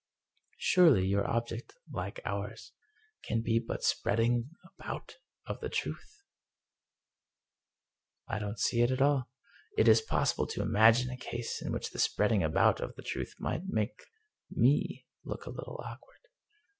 " Surely your object, like ours, can be but the Spreading About of the Truth?" " I don't see it at all. It is possible to imagine a case in which the spreading about of the truth might make me look a little awkward."